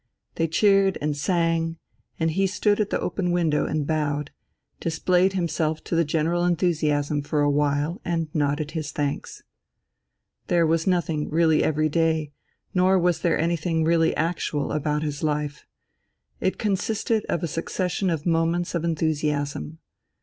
They cheered and sang, and he stood at the open window and bowed, displayed himself to the general enthusiasm for a while and nodded his thanks. There was nothing really everyday, nor was there anything really actual, about his life; it consisted of a succession of moments of enthusiasm.